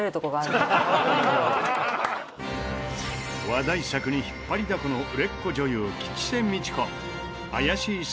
話題作に引っ張りだこの売れっ子女優